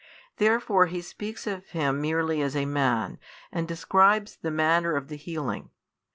Therefore he speaks of Him merely as a Man, and describes the manner of the healing.